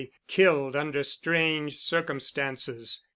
killed under strange circumstances."